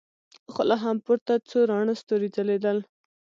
خو لا هم پورته څو راڼه ستورې ځلېدل.